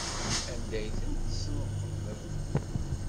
Anda ay ten-tesneqdeḍ?